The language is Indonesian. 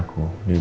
aku patut ini lagi